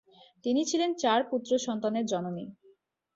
তিনি ছিলেন চার পুত্র সন্তানের জননী।